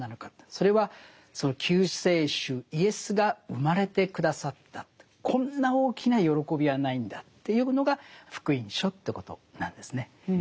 それはその救世主イエスが生まれて下さったこんな大きな喜びはないんだというのが「福音書」ということなんですね。